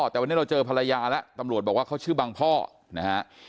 แต่วันนี้เราเจอภรรยาแล้วตำรวจบอกว่าเขาชื่อบางพ่อนะฮะ